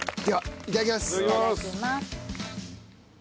いただきます。